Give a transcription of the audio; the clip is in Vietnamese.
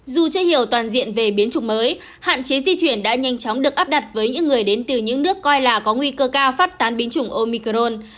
dù chưa hiểu toàn diện về biến chủng mới hạn chế di chuyển đã nhanh chóng được áp đặt với những người đến từ những nước coi là có nguy cơ cao phát tán biến chủng omicron